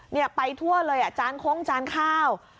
เนี่ยไปทั่วเลยอ่ะจานโค้งจานข้าว